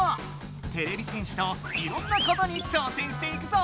てれび戦士といろんなことに挑戦していくぞ！